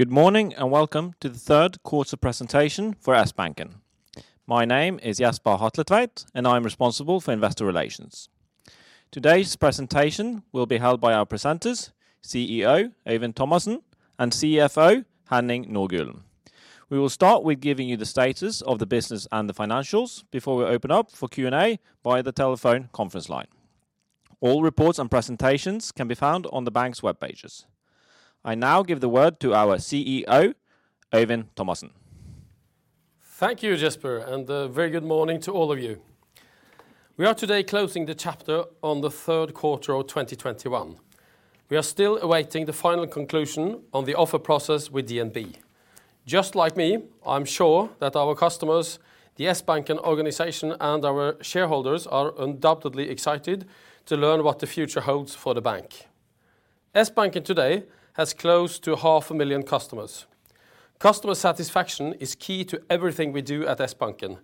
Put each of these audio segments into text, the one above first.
Good morning, and welcome to the third quarter presentation for Sbanken. My name is Jesper Hatletveit, and I'm responsible for Investor Relations. Today's presentation will be held by our presenters, CEO Øyvind Thomassen, and CFO Henning Nordgulen. We will start with giving you the status of the business and the financials before we open up for Q&A via the telephone conference line. All reports and presentations can be found on the bank's web pages. I now give the word to our CEO, Øyvind Thomassen. Thank you, Jesper, and a very good morning to all of you. We are today closing the chapter on the third quarter of 2021. We are still awaiting the final conclusion on the offer process with DNB. Just like me, I'm sure that our customers, the Sbanken organization, and our shareholders are undoubtedly excited to learn what the future holds for the bank. Sbanken today has close to half a million customers. Customer satisfaction is key to everything we do at Sbanken,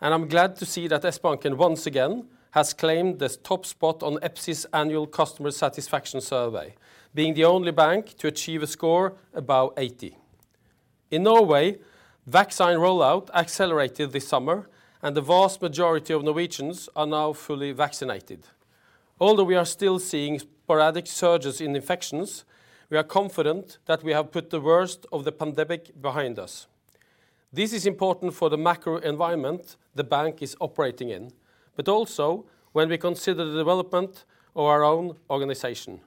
and I'm glad to see that Sbanken, once again, has claimed the top spot on EPSI's annual customer satisfaction survey, being the only bank to achieve a score above 80. In Norway, vaccine rollout accelerated this summer, and the vast majority of Norwegians are now fully vaccinated. Although we are still seeing sporadic surges in infections, we are confident that we have put the worst of the pandemic behind us. This is important for the macro environment the bank is operating in but also when we consider the development of our own organization.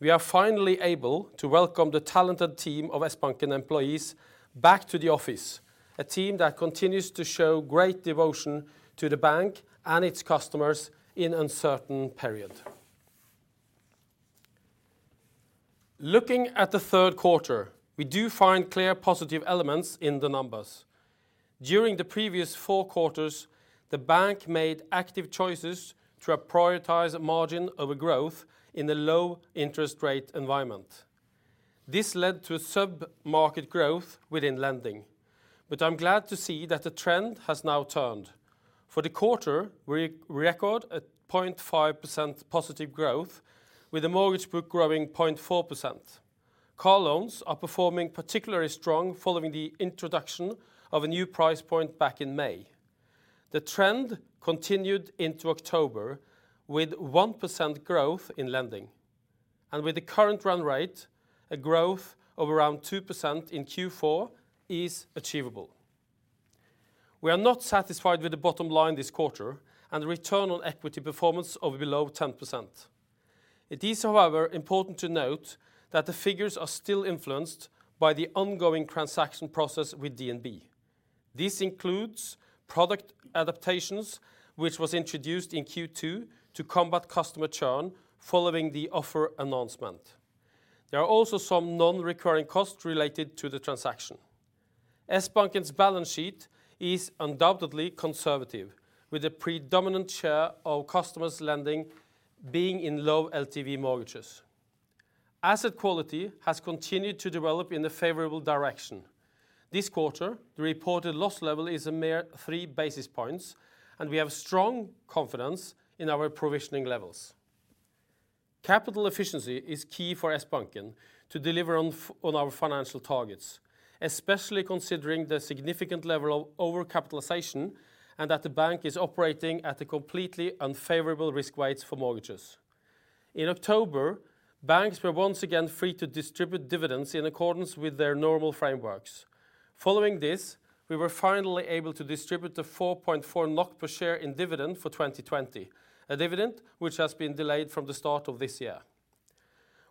We are finally able to welcome the talented team of Sbanken employees back to the office, a team that continues to show great devotion to the bank and its customers in uncertain period. Looking at the third quarter, we do find clear positive elements in the numbers. During the previous four quarters, the bank made active choices to prioritize margin over growth in the low interest rate environment. This led to sub-market growth within lending, but I'm glad to see that the trend has now turned. For the quarter, we record a 0.5% positive growth with the mortgage book growing 0.4%. Car loans are performing particularly strong following the introduction of a new price point back in May. The trend continued into October with 1% growth in lending, and with the current run rate, a growth of around 2% in Q4 is achievable. We are not satisfied with the bottom line this quarter and the return on equity performance of below 10%. It is, however, important to note that the figures are still influenced by the ongoing transaction process with DNB. This includes product adaptations which was introduced in Q2 to combat customer churn following the offer announcement. There are also some non-recurring costs related to the transaction. Sbanken's balance sheet is undoubtedly conservative with the predominant share of customers lending being in low LTV mortgages. Asset quality has continued to develop in the favorable direction. This quarter, the reported loss level is a mere three basis points, and we have strong confidence in our provisioning levels. Capital efficiency is key for Sbanken to deliver on our financial targets, especially considering the significant level of overcapitalization and that the bank is operating at a completely unfavorable risk weights for mortgages. In October, banks were once again free to distribute dividends in accordance with their normal frameworks. Following this, we were finally able to distribute the 4.4 NOK per share in dividend for 2020, a dividend which has been delayed from the start of this year.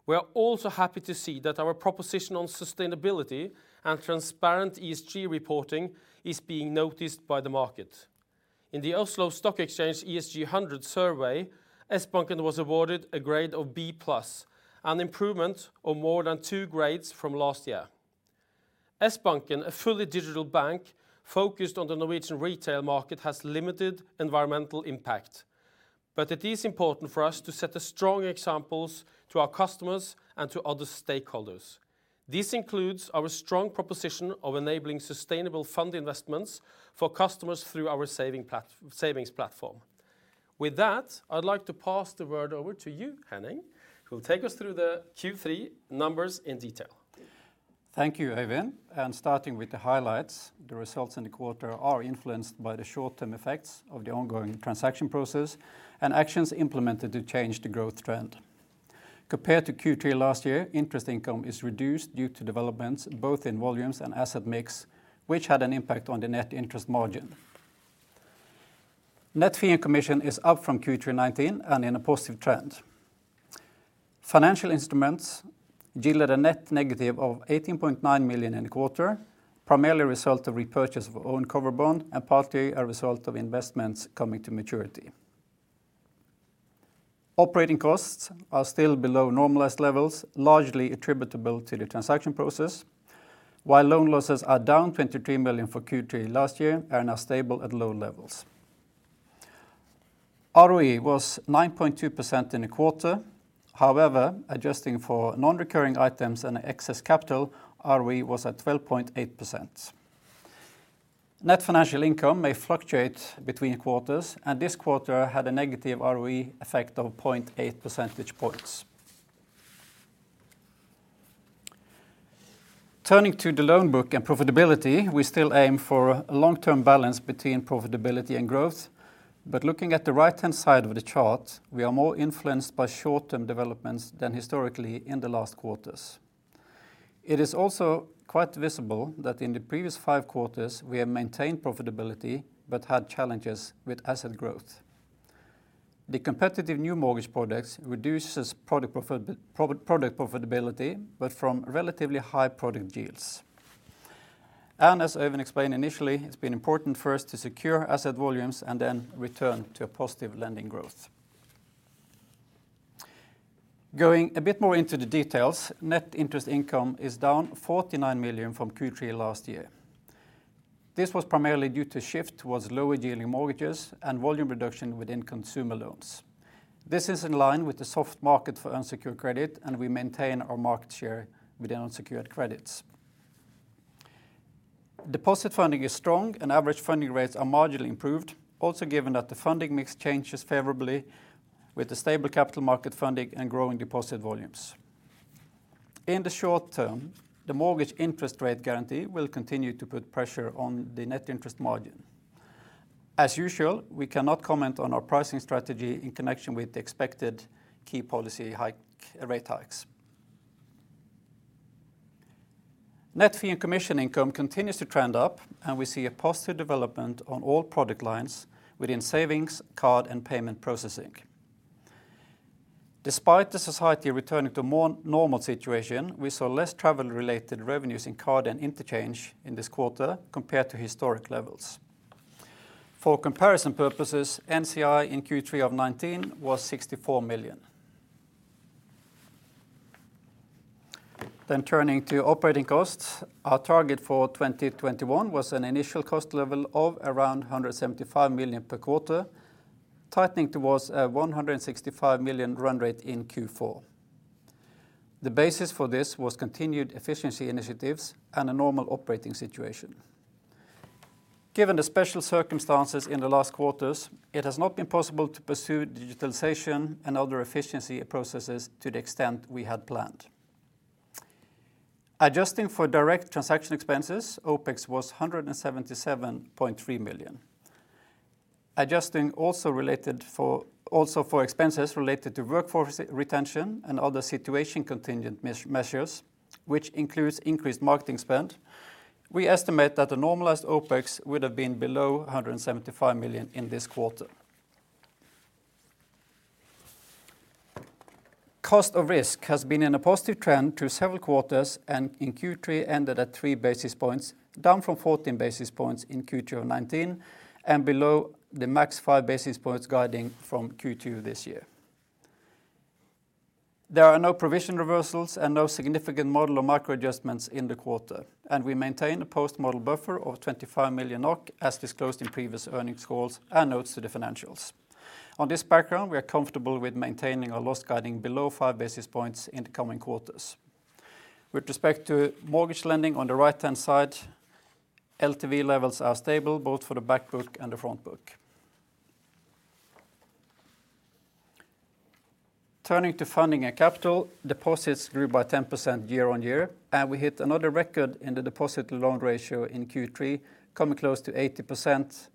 We are also happy to see that our proposition on sustainability and transparent ESG reporting is being noticed by the market. In the Oslo Stock Exchange ESG100 survey, Sbanken was awarded a grade of B+, an improvement of more than two grades from last year. Sbanken, a fully digital bank focused on the Norwegian retail market, has limited environmental impact, but it is important for us to set a strong example to our customers and to other stakeholders. This includes our strong proposition of enabling sustainable fund investments for customers through our savings platform. With that, I'd like to pass the word over to you, Henning, who will take us through the Q3 numbers in detail. Thank you, Øyvind. Starting with the highlights, the results in the quarter are influenced by the short-term effects of the ongoing transaction process and actions implemented to change the growth trend. Compared to Q3 last year, interest income is reduced due to developments both in volumes and asset mix, which had an impact on the net interest margin. Net fee and commission is up from Q3 2019 and in a positive trend. Financial instruments yielded a net negative of 18.9 million in the quarter, primarily a result of repurchase of own cover bond and partly a result of investments coming to maturity. Operating costs are still below normalized levels, largely attributable to the transaction process, while loan losses are down 23 million for Q3 last year and are stable at low levels. ROE was 9.2% in the quarter. However, adjusting for non-recurring items and excess capital, ROE was at 12.8%. Net financial income may fluctuate between quarters, and this quarter had a negative ROE effect of 0.8 percentage points. Turning to the loan book and profitability, we still aim for a long-term balance between profitability and growth. Looking at the right-hand side of the chart, we are more influenced by short-term developments than historically in the last quarters. It is also quite visible that in the previous five quarters we have maintained profitability but had challenges with asset growth. The competitive new mortgage products reduces product profitability, but from relatively high product yields. As Øyvind explained initially, it's been important first to secure asset volumes and then return to a positive lending growth. Going a bit more into the details, net interest income is down 49 million from Q3 last year. This was primarily due to shift towards lower-yielding mortgages and volume reduction within consumer loans. This is in line with the soft market for unsecured credit, and we maintain our market share with the unsecured credits. Deposit funding is strong, and average funding rates are marginally improved, also given that the funding mix changes favorably with the stable capital market funding and growing deposit volumes. In the short term, the mortgage interest rate guarantee will continue to put pressure on the net interest margin. As usual, we cannot comment on our pricing strategy in connection with the expected rate hikes. Net fee and commission income continues to trend up, and we see a positive development on all product lines within savings, card, and payment processing. Despite the society returning to more normal situation, we saw less travel-related revenues in card and interchange in this quarter compared to historic levels. For comparison purposes, NCI in Q3 of 2019 was 64 million. Turning to operating costs, our target for 2021 was an initial cost level of around 175 million per quarter, tightening towards 165 million run rate in Q4. The basis for this was continued efficiency initiatives and a normal operating situation. Given the special circumstances in the last quarters, it has not been possible to pursue digitalization and other efficiency processes to the extent we had planned. Adjusting for direct transaction expenses, OpEx was 177.3 million. Adjusting also for expenses related to workforce retention and other situation-contingent measures, which includes increased marketing spend, we estimate that the normalized OpEx would have been below 175 million in this quarter. Cost of risk has been in a positive trend through several quarters, and in Q3 ended at 3 basis points, down from 14 basis points in Q2 of 2019, and below the max 5 basis points guiding from Q2 this year. There are no provision reversals and no significant model or micro adjustments in the quarter, and we maintain a post-model buffer of 25 million NOK, as disclosed in previous earnings calls and notes to the financials. On this background, we are comfortable with maintaining our loss guiding below 5 basis points in the coming quarters. With respect to mortgage lending on the right-hand side, LTV levels are stable both for the back book and the front book. Turning to funding and capital, deposits grew by 10% year-on-year, and we hit another record in the deposit to loan ratio in Q3, coming close to 80%,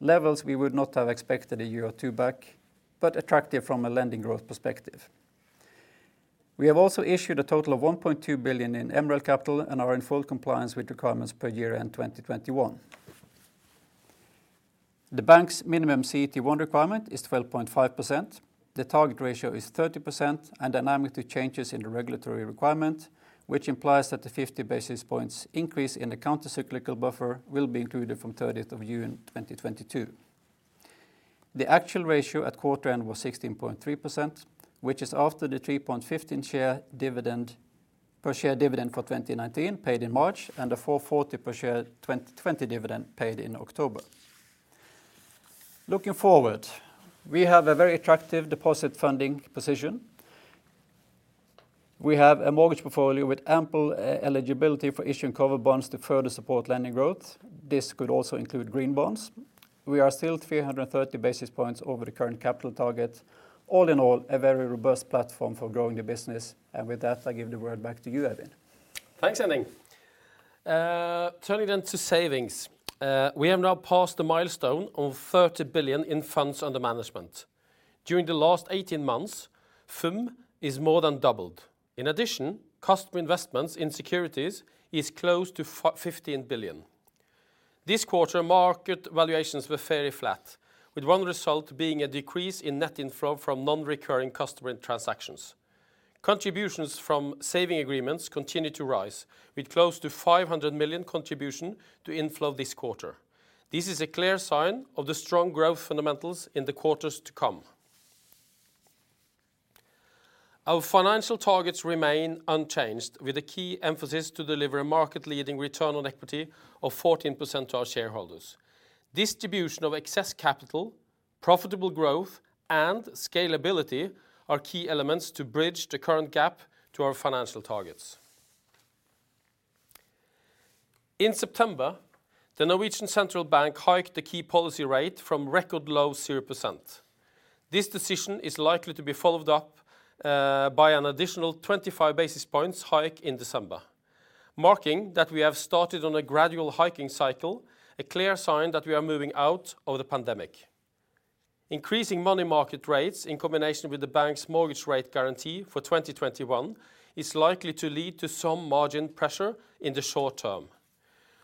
levels we would not have expected a year or two back, but attractive from a lending growth perspective. We have also issued a total of 1.2 billion in MREL capital and are in full compliance with requirements per year-end 2021. The bank's minimum CET1 requirement is 12.5%. The target ratio is 30% and dynamically changes in the regulatory requirement, which implies that the 50 basis points increase in the countercyclical buffer will be included from 30th of June, 2022. The actual ratio at quarter end was 16.3%, which is after the 3.15 per share dividend for 2019 paid in March and the 4.40 per share 2020 dividend paid in October. Looking forward, we have a very attractive deposit funding position. We have a mortgage portfolio with ample eligibility for issuing cover bonds to further support lending growth. This could also include green bonds. We are still 330 basis points over the current capital target. All in all, a very robust platform for growing the business. With that, I give the word back to you, Øyvind. Thanks, Henning. Turning to savings, we have now passed the milestone of 30 billion in funds under management. During the last 18 months, FUM is more than doubled. In addition, customer investments in securities is close to 15 billion. This quarter, market valuations were fairly flat, with one result being a decrease in net inflow from non-recurring customer transactions. Contributions from saving agreements continued to rise, with close to 500 million contribution to inflow this quarter. This is a clear sign of the strong growth fundamentals in the quarters to come. Our financial targets remain unchanged, with a key emphasis to deliver a market-leading return on equity of 14% to our shareholders. Distribution of excess capital, profitable growth, and scalability are key elements to bridge the current gap to our financial targets. In September, Norges Bank hiked the key policy rate from record low 0%. This decision is likely to be followed up by an additional 25 basis points hike in December, marking that we have started on a gradual hiking cycle, a clear sign that we are moving out of the pandemic. Increasing money market rates in combination with the bank's mortgage rate guarantee for 2021 is likely to lead to some margin pressure in the short term.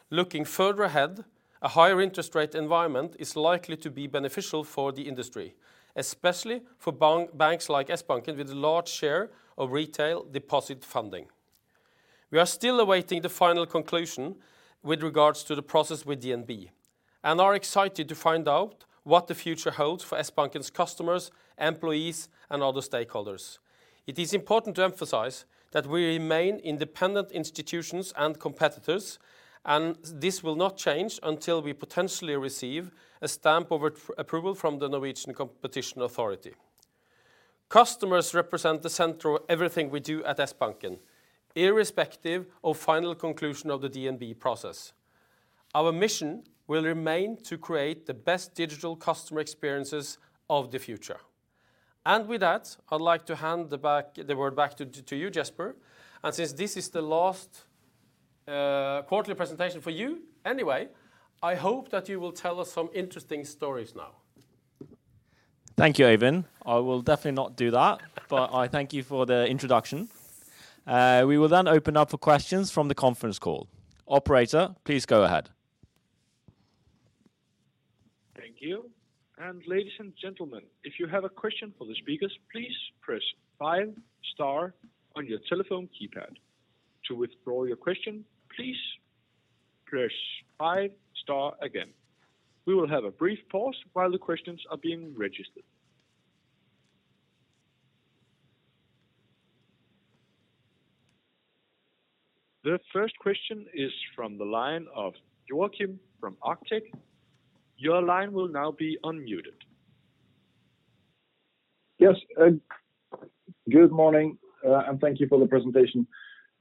Looking further ahead, a higher interest rate environment is likely to be beneficial for the industry, especially for banks like Sbanken with a large share of retail deposit funding. We are still awaiting the final conclusion with regards to the process with DNB, and are excited to find out what the future holds for Sbanken's customers, employees, and other stakeholders. It is important to emphasize that we remain independent institutions and competitors, and this will not change until we potentially receive a stamp of approval from the Norwegian Competition Authority. Customers represent the center of everything we do at Sbanken, irrespective of final conclusion of the DNB process. Our mission will remain to create the best digital customer experiences of the future. With that, I'd like to hand the word back to you, Jesper. Since this is the last quarterly presentation for you anyway, I hope that you will tell us some interesting stories now. Thank you, Øyvind. I will definitely not do that. I thank you for the introduction. We will then open up for questions from the conference call. Operator, please go ahead. Thank you. The first question is from the line of Joakim from Arctic. Your line will now be unmuted. Yes. Good morning, and thank you for the presentation.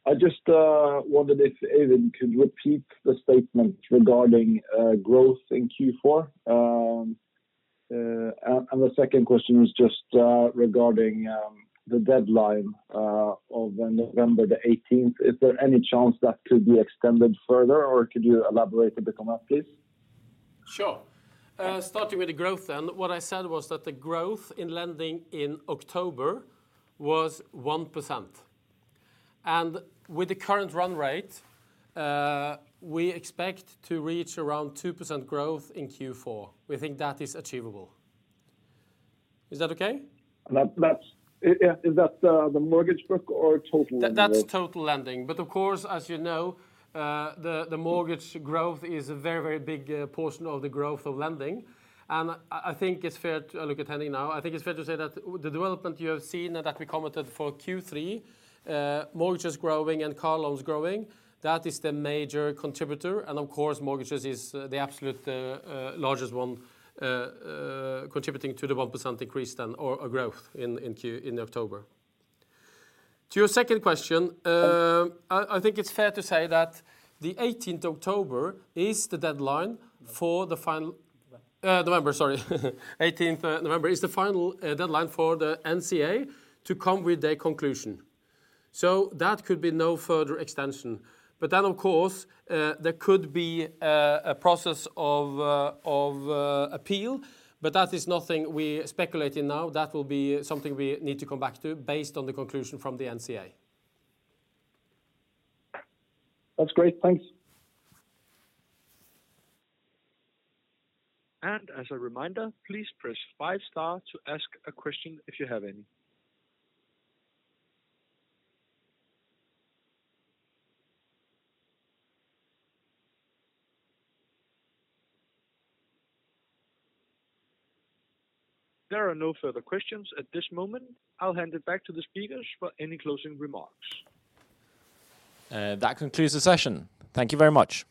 I just wondered if Øyvind could repeat the statement regarding growth in Q4. And the second question was just regarding the deadline of November the 18th. Is there any chance that could be extended further, or could you elaborate a bit on that, please? Sure. Starting with the growth then. What I said was that the growth in lending in October was 1%. With the current run rate, we expect to reach around 2% growth in Q4. We think that is achievable. Is that okay? That. Yeah. Is that the mortgage book or total lending? That's total lending. Of course, as you know, the mortgage growth is a very big portion of the growth of lending. I think it's fair to. I'll look at Henning now. I think it's fair to say that the development you have seen and that we commented for Q3, mortgages growing and car loans growing, that is the major contributor. Of course, mortgages is the absolute largest one, contributing to the 1% increase then or growth in October. To your second question, I think it's fair to say that the 18 October is the deadline for the final. November, 18th November is the final deadline for the NCA to come with their conclusion. That could be no further extension. Of course, there could be a process of appeal, but that is nothing we speculate in now. That will be something we need to come back to based on the conclusion from the NCA. That's great. Thanks. As a reminder, please press five star to ask a question if you have any. There are no further questions at this moment. I'll hand it back to the speakers for any closing remarks. That concludes the session. Thank you very much.